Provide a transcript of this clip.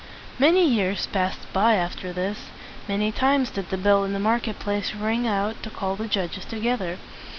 Many years passed by after this. Many times did the bell in the market place ring out to call the judges together.